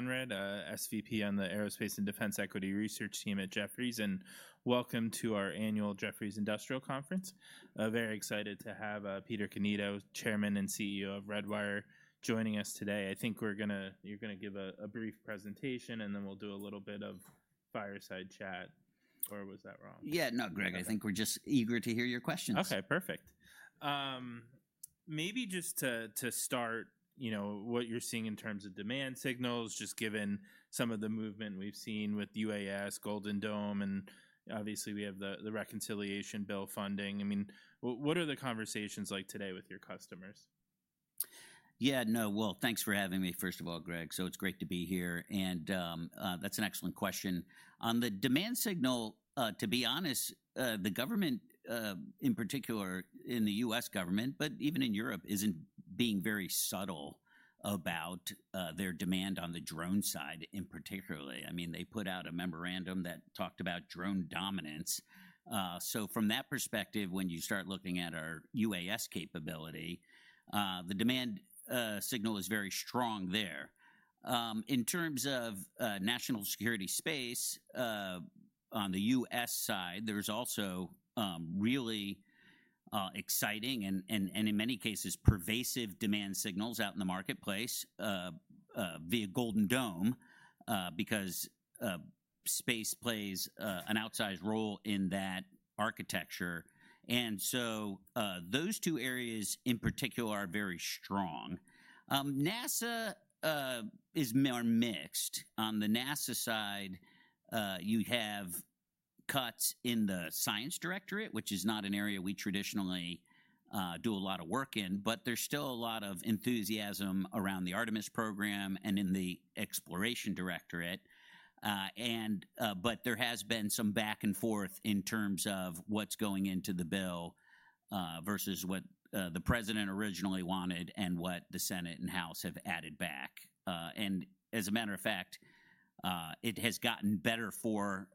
Greg Konrad, SVP on the Aerospace and Defense Equity Research team at Jefferies, and welcome to our annual Jefferies Industrial Conference. Very excited to have, Peter Cannito, chairman and CEO of Redwire, joining us today. I think we're gonna—you're gonna give a brief presentation, and then we'll do a little bit of fireside chat. Or was that wrong? Yeah, no, Greg, I think we're just eager to hear your questions. Okay, perfect. Maybe just to start, you know, what you're seeing in terms of demand signals, just given some of the movement we've seen with UAS, Golden Dome, and obviously, we have the reconciliation bill funding. I mean, what are the conversations like today with your customers? Yeah, no. Well, thanks for having me, first of all, Greg, so it's great to be here, and that's an excellent question. On the demand signal, to be honest, the government, in particular, in the U.S. government, but even in Europe, isn't being very subtle about their demand on the drone side particularly. I mean, they put out a memorandum that talked about drone dominance. So from that perspective, when you start looking at our UAS capability, the demand signal is very strong there. In terms of national security space, on the U.S. side, there's also really exciting, and in many cases, pervasive demand signals out in the marketplace via Golden Dome, because space plays an outsized role in that architecture. And so, those two areas, in particular, are very strong. NASA are mixed. On the NASA side, you have cuts in the Science Directorate, which is not an area we traditionally do a lot of work in, but there's still a lot of enthusiasm around the Artemis program and in the Exploration Directorate. And but there has been some back and forth in terms of what's going into the bill versus what the president originally wanted and what the Senate and House have added back. And as a matter of fact, it has gotten better for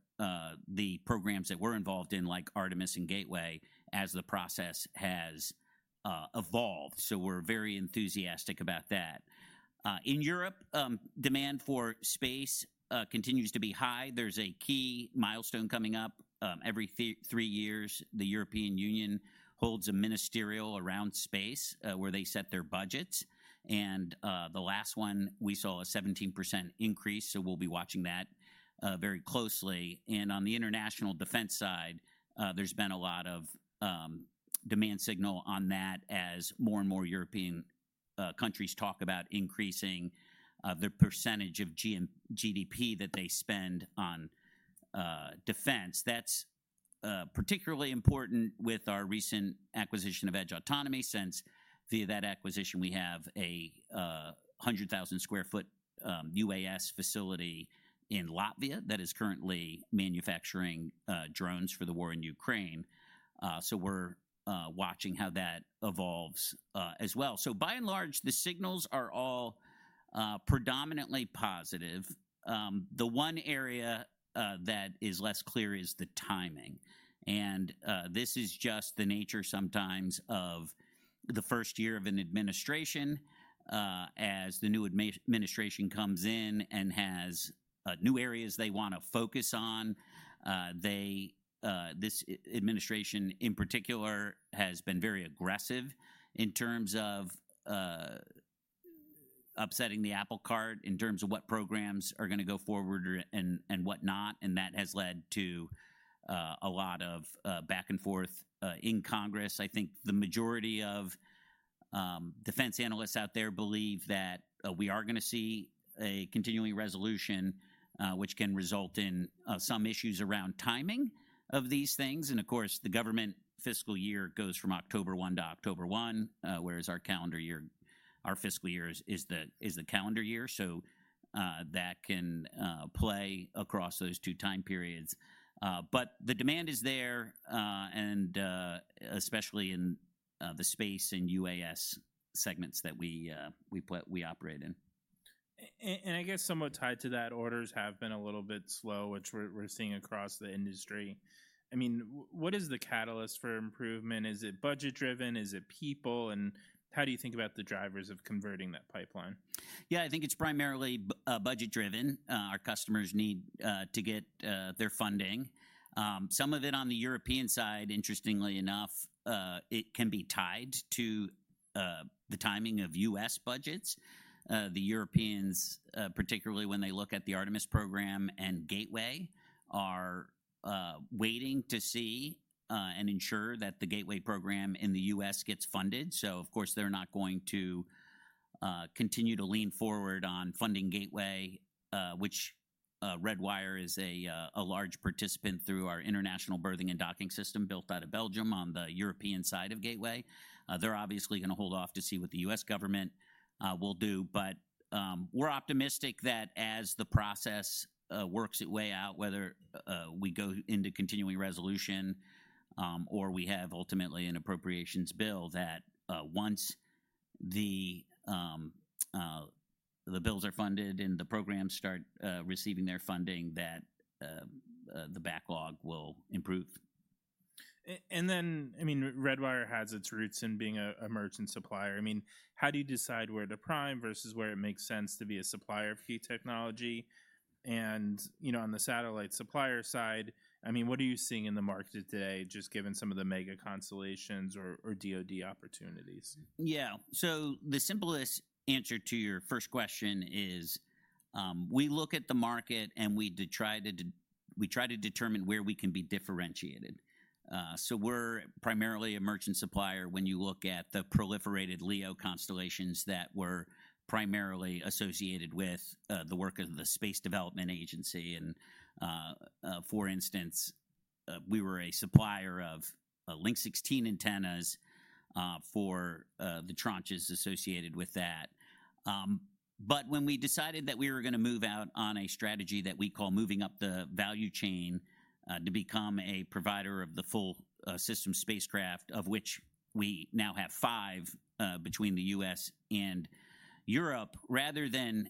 the programs that we're involved in, like Artemis and Gateway, as the process has evolved, so we're very enthusiastic about that. In Europe, demand for space continues to be high. There's a key milestone coming up. Every three years, the European Union holds a ministerial around space, where they set their budgets, and the last one, we saw a 17% increase, so we'll be watching that very closely. On the international defense side, there's been a lot of demand signal on that as more and more European countries talk about increasing their percentage of GDP that they spend on defense. That's particularly important with our recent acquisition of Edge Autonomy since, via that acquisition, we have a 100,000 sq ft UAS facility in Latvia that is currently manufacturing drones for the war in Ukraine. We're watching how that evolves as well. By and large, the signals are all predominantly positive. The one area that is less clear is the timing, and this is just the nature sometimes of the first year of an administration, as the new administration comes in and has new areas they wanna focus on. This administration, in particular, has been very aggressive in terms of upsetting the apple cart, in terms of what programs are gonna go forward or and whatnot, and that has led to a lot of back and forth in Congress. I think the majority of defense analysts out there believe that we are gonna see a Continuing Resolution, which can result in some issues around timing of these things. And of course, the government fiscal year goes from October one to October one, whereas our calendar year, our fiscal year is the calendar year, so that can play across those two time periods. But the demand is there, and especially in the space and UAS segments that we operate in. And I guess somewhat tied to that, orders have been a little bit slow, which we're seeing across the industry. I mean, what is the catalyst for improvement? Is it budget-driven? Is it people? And how do you think about the drivers of converting that pipeline? Yeah, I think it's primarily budget-driven. Our customers need to get their funding. Some of it on the European side, interestingly enough, it can be tied to the timing of U.S. budgets. The Europeans, particularly when they look at the Artemis program and Gateway, are waiting to see and ensure that the Gateway program in the U.S. gets funded. So of course, they're not going to continue to lean forward on funding Gateway, which Redwire is a large participant through our International Berthing and Docking System built out of Belgium on the European side of Gateway. They're obviously gonna hold off to see what the U.S. government will do. But, we're optimistic that as the process works its way out, whether we go into Continuing Resolution or we have ultimately an appropriations bill, that once the bills are funded and the programs start receiving their funding, that the backlog will improve. And then, I mean, Redwire has its roots in being a merchant supplier. I mean, how do you decide where to prime versus where it makes sense to be a supplier of key technology? And, you know, on the satellite supplier side, I mean, what are you seeing in the market today, just given some of the mega constellations or DoD opportunities? Yeah. So the simplest answer to your first question is, we look at the market, and we try to determine where we can be differentiated. So we're primarily a merchant supplier when you look at the proliferated LEO constellations that were primarily associated with the work of the Space Development Agency. And for instance, we were a supplier of Link 16 antennas for the tranches associated with that. But when we decided that we were gonna move out on a strategy that we call moving up the value chain, to become a provider of the full, system spacecraft, of which we now have five, between the U.S. and Europe, rather than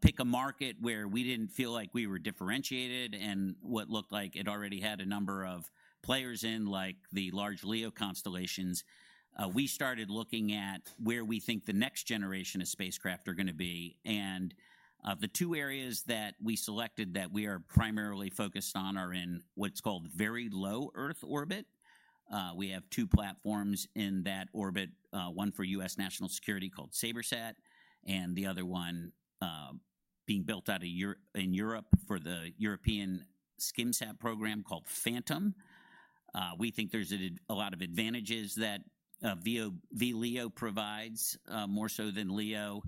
pick a market where we didn't feel like we were differentiated and what looked like it already had a number of players in, like the large LEO constellations, we started looking at where we think the next generation of spacecraft are gonna be. And, the two areas that we selected that we are primarily focused on are in what's called very low Earth orbit. We have two platforms in that orbit, one for U.S. national security called SabreSat, and the other one, being built out of Europe for the European SkimSat program called Phantom. We think there's a lot of advantages that VLEO provides, more so than LEO,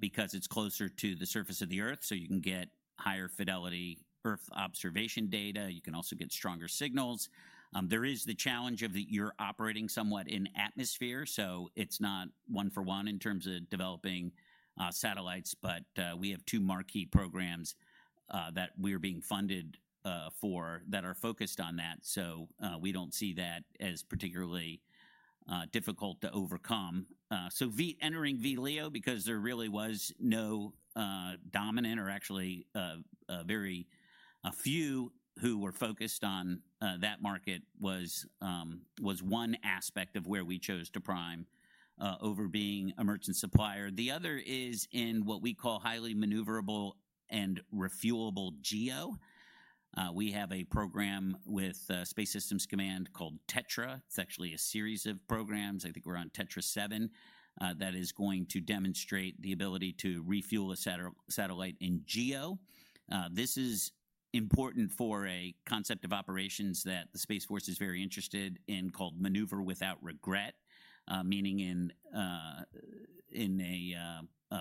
because it's closer to the surface of the Earth, so you can get higher fidelity Earth observation data. You can also get stronger signals. There is the challenge of that you're operating somewhat in atmosphere, so it's not one for one in terms of developing satellites. But we have two marquee programs that we're being funded for that are focused on that, so we don't see that as particularly difficult to overcome. So entering VLEO because there really was no dominant or actually very few who were focused on that market was one aspect of where we chose to prime over being a merchant supplier. The other is in what we call highly maneuverable and refuelable GEO. We have a program with Space Systems Command called Tetra. It's actually a series of programs, I think we're on Tetra-7, that is going to demonstrate the ability to refuel a satellite in GEO. This is important for a concept of operations that the Space Force is very interested in, called Maneuver Without Regret, meaning in a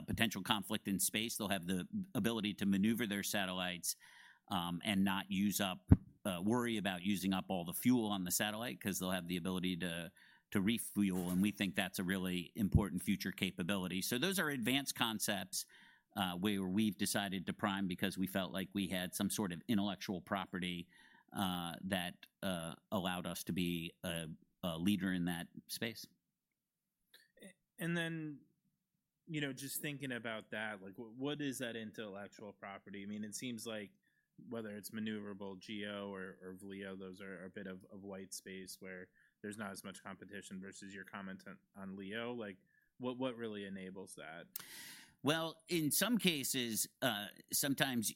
potential conflict in space, they'll have the ability to maneuver their satellites, and not use up, worry about using up all the fuel on the satellite 'cause they'll have the ability to refuel, and we think that's a really important future capability. So those are advanced concepts, where we've decided to prime because we felt like we had some sort of intellectual property that allowed us to be a leader in that space. And then, you know, just thinking about that, like, what is that intellectual property? I mean, it seems like whether it's maneuverable GEO or VLEO, those are a bit of white space where there's not as much competition versus your comment on LEO. Like, what really enables that? In some cases, sometimes,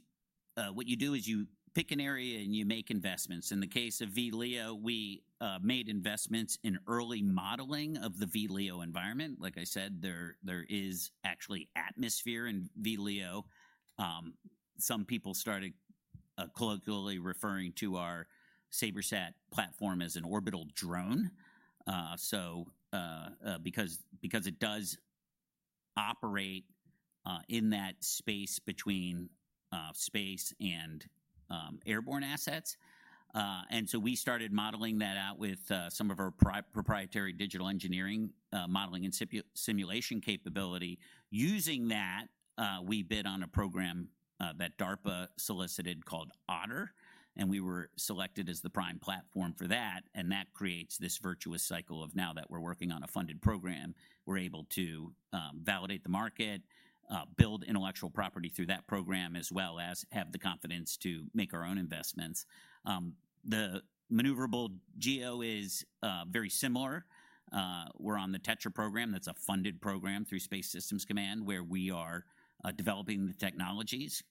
what you do is you pick an area, and you make investments. In the case of VLEO, we made investments in early modeling of the VLEO environment. Like I said, there is actually atmosphere in VLEO. Some people started colloquially referring to our SabreSat platform as an orbital drone, because it does operate in that space between space and airborne assets. And so we started modeling that out with some of our proprietary digital engineering modeling and simulation capability. Using that, we bid on a program that DARPA-solicited called OTTER, and we were selected as the prime platform for that, and that creates this virtuous cycle of now that we're working on a funded program, we're able to validate the market, build intellectual property through that program, as well as have the confidence to make our own investments. The maneuverable GEO is very similar. We're on the Tetra program. That's a funded program through Space Systems Command, where we are developing the technologies.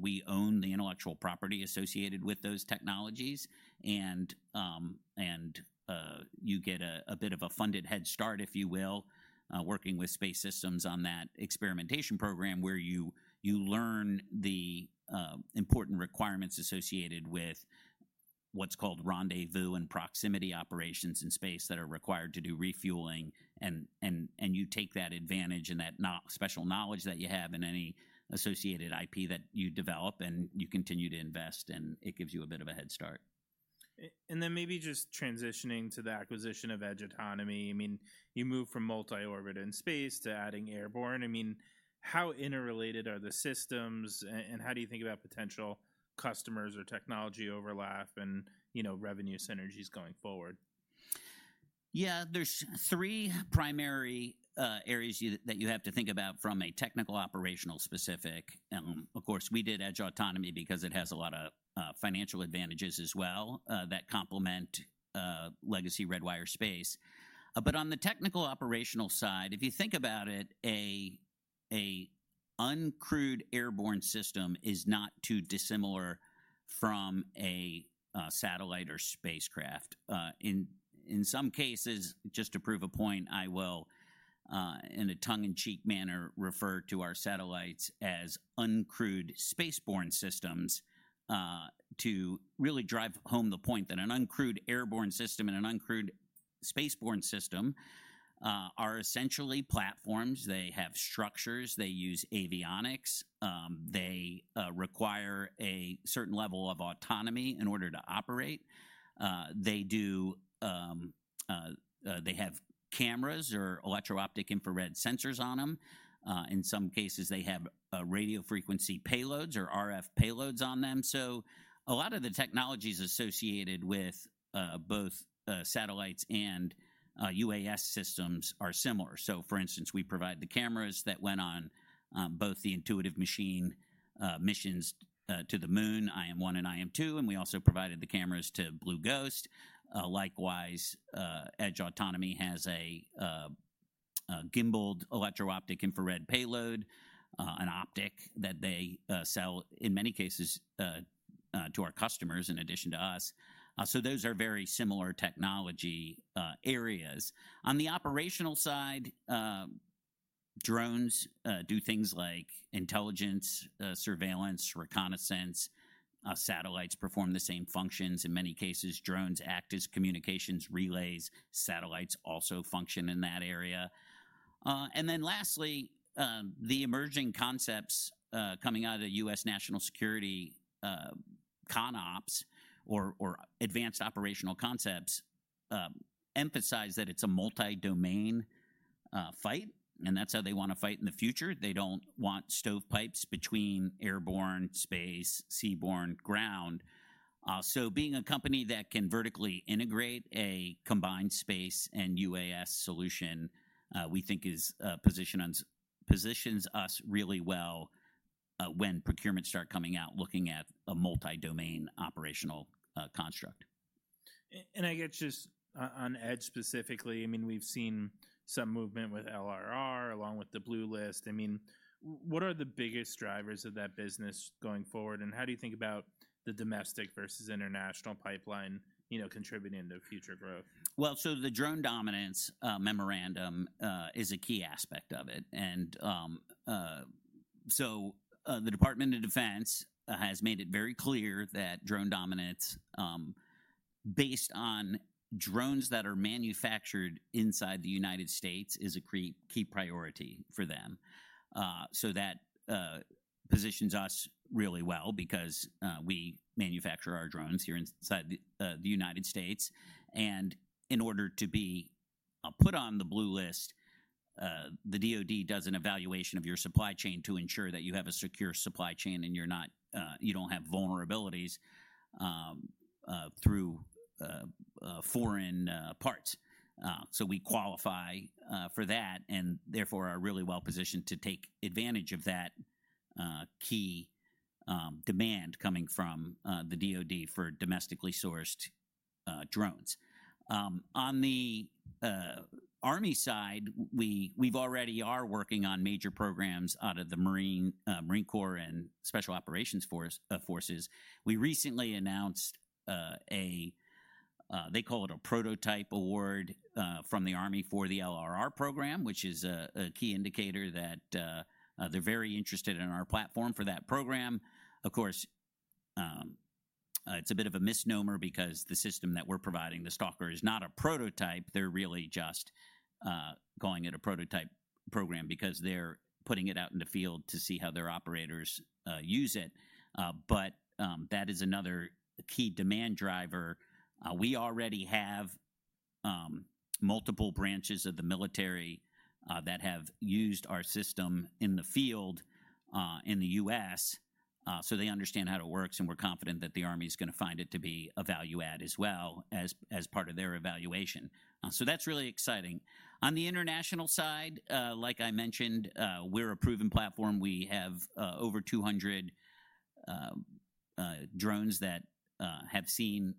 We own the intellectual property associated with those technologies, and you get a bit of a funded head start, if you will, working with Space Systems on that experimentation program, where you learn the important requirements associated with what's called Rendezvous and Proximity Operations in space that are required to do refueling. And you take that advantage and that special knowledge that you have and any associated IP that you develop, and you continue to invest, and it gives you a bit of a head start. Then maybe just transitioning to the acquisition of Edge Autonomy, I mean, you move from multi-orbit in space to adding airborne. I mean, how interrelated are the systems, and how do you think about potential customers or technology overlap and, you know, revenue synergies going forward? Yeah, there's three primary areas that you have to think about from a technical operational specific. Of course, we did Edge Autonomy because it has a lot of financial advantages as well that complement legacy Redwire space. But on the technical operational side, if you think about it, a uncrewed airborne system is not too dissimilar from a satellite or spacecraft. In some cases, just to prove a point, I will, in a tongue-in-cheek manner, refer to our satellites as uncrewed spaceborne systems to really drive home the point that an uncrewed airborne system and an uncrewed spaceborne system are essentially platforms. They have structures, they use avionics, they require a certain level of autonomy in order to operate. They do they have cameras or electro-optic infrared sensors on them. In some cases, they have radio frequency payloads or RF payloads on them, so a lot of the technologies associated with both satellites and UAS systems are similar, so for instance, we provide the cameras that went on both the Intuitive Machines missions to the moon, IM-1 and IM-2, and we also provided the cameras to Blue Ghost. Likewise, Edge Autonomy has a gimbaled electro-optic infrared payload, an optic that they sell in many cases to our customers in addition to us, so those are very similar technology areas. On the operational side, drones do things like intelligence, surveillance, reconnaissance. Satellites perform the same functions. In many cases, drones act as communications relays. Satellites also function in that area. Lastly, the emerging concepts coming out of the U.S. national security CONOPs or advanced operational concepts emphasize that it's a multi-domain fight, and that's how they want to fight in the future. They don't want stovepipes between airborne, space, seaborne, ground. Being a company that can vertically integrate a combined space and UAS solution, we think positions us really well when procurements start coming out, looking at a multi-domain operational construct. I guess just on Edge specifically, I mean, we've seen some movement with LRR, along with the Blue List. I mean, what are the biggest drivers of that business going forward, and how do you think about the domestic versus international pipeline, you know, contributing to future growth? The Drone Dominance memorandum is a key aspect of it. The Department of Defense has made it very clear that Drone Dominance based on drones that are manufactured inside the United States is a key priority for them. That positions us really well because we manufacture our drones here inside the United States. In order to be put on the Blue List, the DoD does an evaluation of your supply chain to ensure that you have a secure supply chain, and you don't have vulnerabilities through foreign parts. We qualify for that and therefore are really well positioned to take advantage of that key demand coming from the DoD for domestically sourced drones. On the Army side, we, we've already are working on major programs out of the Marine Corps and Special Operations Forces. We recently announced they call it a prototype award from the Army for the LRR program, which is a key indicator that they're very interested in our platform for that program. Of course, it's a bit of a misnomer because the system that we're providing, the Stalker, is not a prototype. They're really just calling it a prototype program because they're putting it out in the field to see how their operators use it. But that is another key demand driver. We already have multiple branches of the military that have used our system in the field in the U.S., so they understand how it works, and we're confident that the Army's gonna find it to be a value add as well as part of their evaluation. So that's really exciting. On the international side, like I mentioned, we're a proven platform. We have over 200 drones that have seen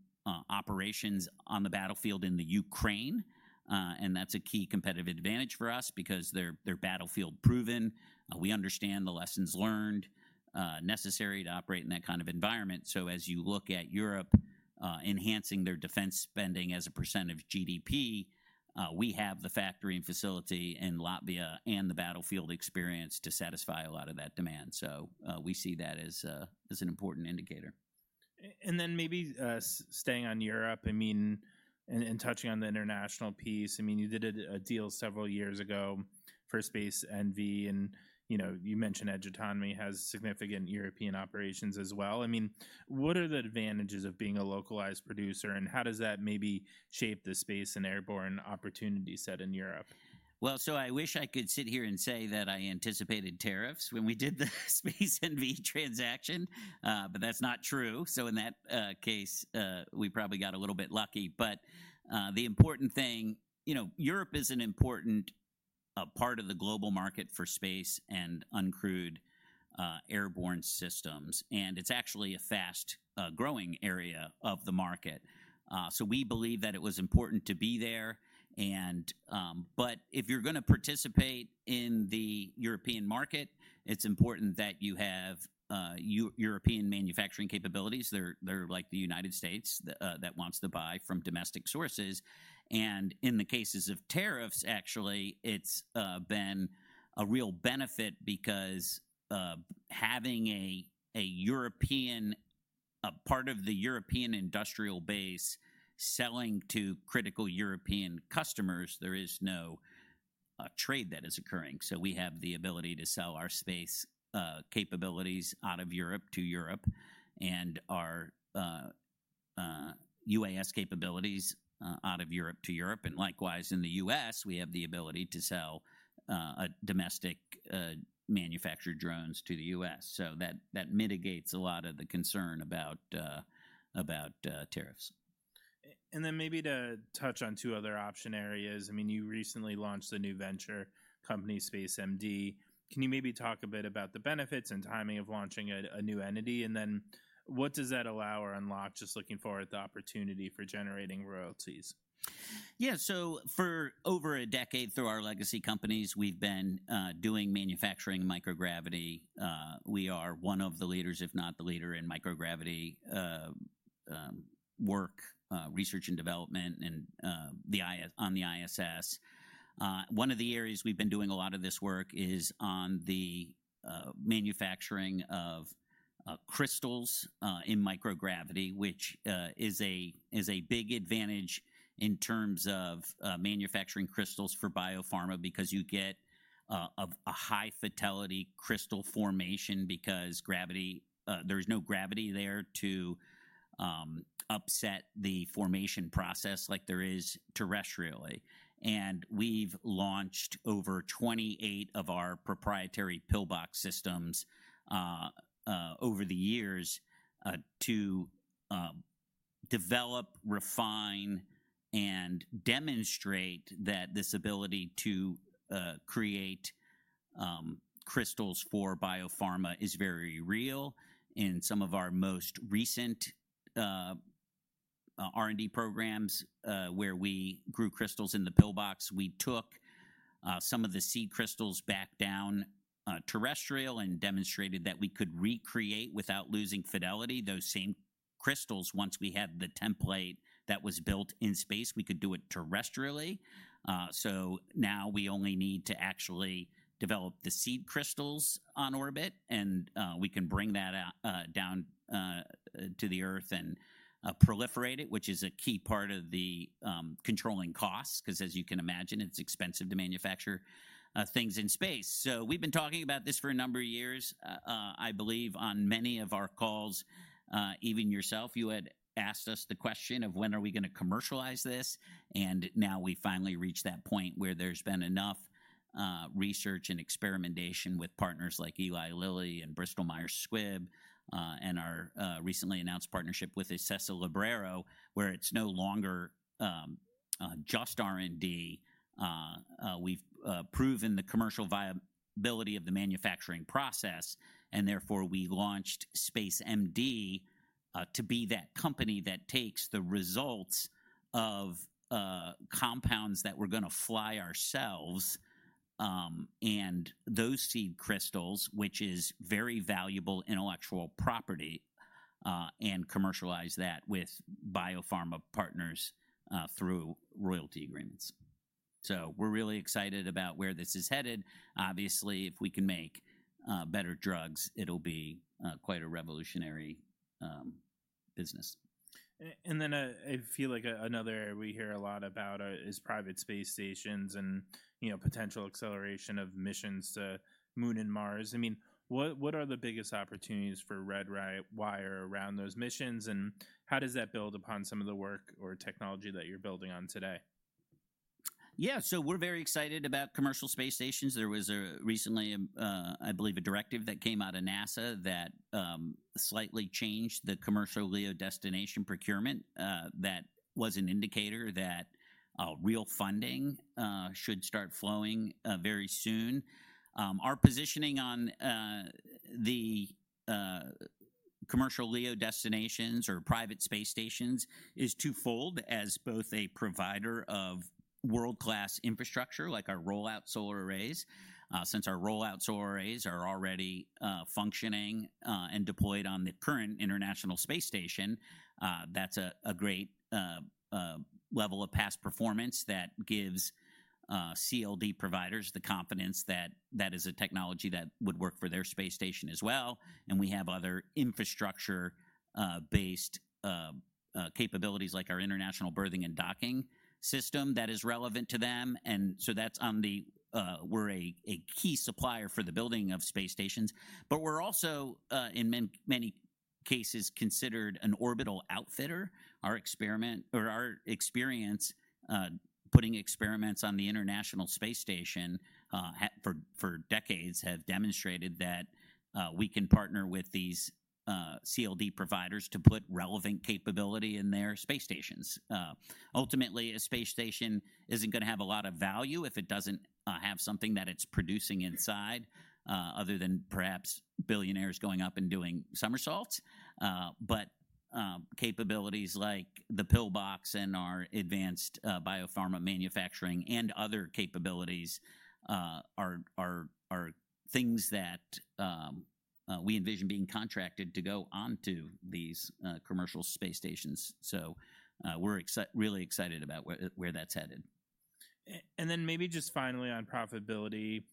operations on the battlefield in Ukraine, and that's a key competitive advantage for us because they're battlefield proven. We understand the lessons learned necessary to operate in that kind of environment. So as you look at Europe enhancing their defense spending as a % of GDP, we have the factory and facility in Latvia and the battlefield experience to satisfy a lot of that demand. So, we see that as an important indicator. And then maybe staying on Europe, I mean, and touching on the international piece, I mean, you did a deal several years ago for Redwire Space NV, and you know, you mentioned Edge Autonomy has significant European operations as well. I mean, what are the advantages of being a localized producer, and how does that maybe shape the space and airborne opportunity set in Europe? I wish I could sit here and say that I anticipated tariffs when we did the Space NV transaction, but that's not true. In that case, we probably got a little bit lucky. The important thing, you know, Europe is an important part of the global market for space and uncrewed airborne systems, and it's actually a fast growing area of the market. We believe that it was important to be there, and but if you're gonna participate in the European market, it's important that you have European manufacturing capabilities. They're like the United States that wants to buy from domestic sources. In the cases of tariffs, actually, it's been a real benefit because having a European part of the European industrial base selling to critical European customers, there is no trade that is occurring. So we have the ability to sell our space capabilities out of Europe to Europe, and our UAS capabilities out of Europe to Europe. Likewise, in the U.S., we have the ability to sell a domestic manufactured drones to the U.S. So that mitigates a lot of the concern about tariffs. And then maybe to touch on two other opportunity areas, I mean, you recently launched a new venture company, SpaceMD. Can you maybe talk a bit about the benefits and timing of launching a new entity? And then what does that allow or unlock, just looking forward, the opportunity for generating royalties? Yeah, so for over a decade, through our legacy companies, we've been doing manufacturing in microgravity. We are one of the leaders, if not the leader, in microgravity work, research and development, and the ISS. One of the areas we've been doing a lot of this work is on the manufacturing of crystals in microgravity, which is a big advantage in terms of manufacturing crystals for biopharma because you get a high-fidelity crystal formation because gravity, there is no gravity there to upset the formation process like there is terrestrially. We've launched over 28 of our proprietary PIL-BOX systems over the years to develop, refine, and demonstrate that this ability to create crystals for biopharma is very real. In some of our most recent, R&D programs, where we grew crystals in the PIL-BOX, we took, some of the seed crystals back down, terrestrial and demonstrated that we could recreate, without losing fidelity, those same crystals. Once we had the template that was built in space, we could do it terrestrially, so now we only need to actually develop the seed crystals on orbit, and, we can bring that out, down, to the Earth and, proliferate it, which is a key part of the, controlling costs, 'cause as you can imagine, it's expensive to manufacture, things in space, so we've been talking about this for a number of years. I believe on many of our calls, even yourself, you had asked us the question of, "When are we gonna commercialize this?" And now we've finally reached that point where there's been enough research and experimentation with partners like Eli Lilly and Bristol Myers Squibb, and our recently announced partnership with ExesaLibero Pharma, where it's no longer just R&D. We've proven the commercial viability of the manufacturing process, and therefore, we launched SpaceMD to be that company that takes the results of compounds that we're gonna fly ourselves, and those seed crystals, which is very valuable intellectual property, and commercialize that with biopharma partners through royalty agreements. So we're really excited about where this is headed. Obviously, if we can make better drugs, it'll be quite a revolutionary business. I feel like another area we hear a lot about is private space stations and, you know, potential acceleration of missions to Moon and Mars. I mean, what are the biggest opportunities for Redwire around those missions, and how does that build upon some of the work or technology that you're building on today? Yeah, so we're very excited about commercial space stations. There was recently I believe a directive that came out of NASA that slightly changed the commercial LEO destination procurement. That was an indicator that real funding should start flowing very soon. Our positioning on the commercial LEO destinations or private space stations is twofold, as both a provider of world-class infrastructure, like our Roll-Out Solar Arrays. Since our Roll-Out Solar Arrays are already functioning and deployed on the current International Space Station, that's a great level of past performance that gives CLD providers the confidence that that is a technology that would work for their space station as well. And we have other infrastructure-based capabilities, like our International Berthing and Docking System, that is relevant to them, and so that's on the. We're a key supplier for the building of space stations. We're also in many cases considered an orbital outfitter. Our experience putting experiments on the International Space Station for decades have demonstrated that we can partner with these CLD providers to put relevant capability in their space stations. Ultimately, a space station isn't gonna have a lot of value if it doesn't have something that it's producing inside other than perhaps billionaires going up and doing somersaults. But capabilities like the PIL-BOX and our advanced biopharma manufacturing and other capabilities are things that we envision being contracted to go onto these commercial space stations. So we're really excited about where that's headed. And then maybe just finally on profitability,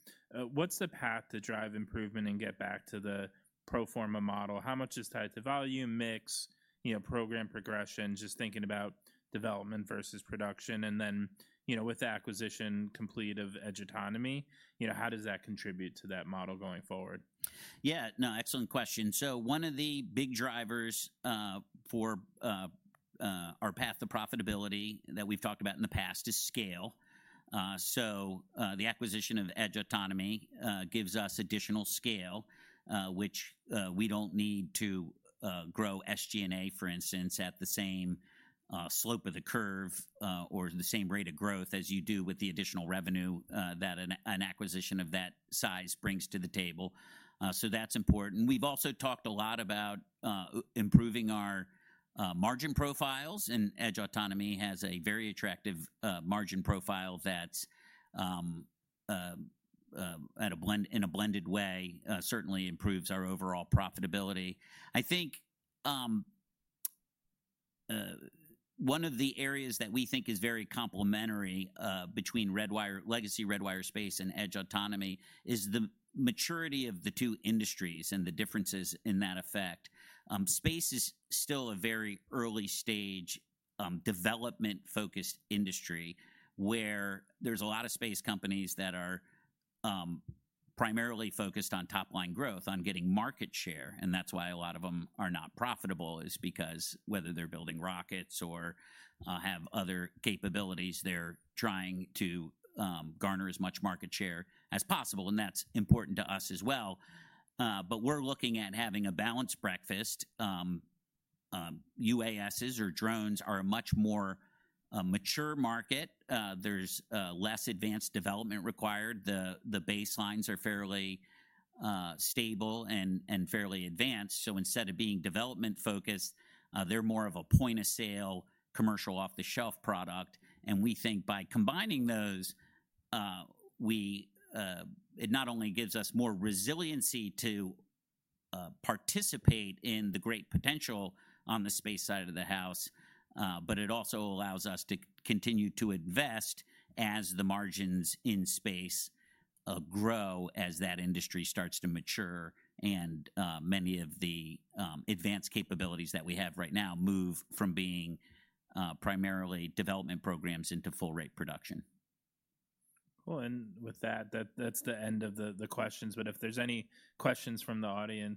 what's the path to drive improvement and get back to the pro forma model? How much is tied to volume, mix, you know, program progression, just thinking about development versus production? And then, you know, with the acquisition complete of Edge Autonomy, you know, how does that contribute to that model going forward? Yeah, no, excellent question. So one of the big drivers for our path to profitability that we've talked about in the past is scale. So the acquisition of Edge Autonomy gives us additional scale, which we don't need to grow SG&A, for instance, at the same slope of the curve or the same rate of growth as you do with the additional revenue that an acquisition of that size brings to the table. So that's important. We've also talked a lot about improving our margin profiles, and Edge Autonomy has a very attractive margin profile that's at a blend in a blended way certainly improves our overall profitability. I think, one of the areas that we think is very complementary, between Redwire, legacy Redwire Space and Edge Autonomy, is the maturity of the two industries and the differences in that effect. Space is still a very early-stage, development-focused industry, where there's a lot of space companies that are, primarily focused on top-line growth, on getting market share, and that's why a lot of them are not profitable, is because whether they're building rockets or, have other capabilities, they're trying to, garner as much market share as possible, and that's important to us as well. But we're looking at having a balanced breakfast. UAS's or drones are a much more, mature market. There's, less advanced development required. The baselines are fairly stable and fairly advanced. So instead of being development-focused, they're more of a point-of-sale, commercial, off-the-shelf product, and we think by combining those, it not only gives us more resiliency to participate in the great potential on the space side of the house, but it also allows us to continue to invest as the margins in space grow as that industry starts to mature and many of the advanced capabilities that we have right now move from being primarily development programs into full rate production. With that, that's the end of the questions, but if there's any questions from the audience.